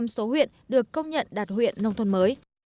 một trăm linh số huyện được công nhận đạt huyện nông thôn mới